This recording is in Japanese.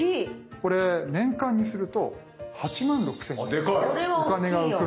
これ年間にすると８万６，０００円のお金が浮くんですね。